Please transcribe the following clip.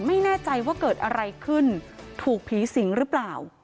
ไม่แน่ใจว่าเกิดอะไรขึ้นถูกผีสิงหรือเปล่า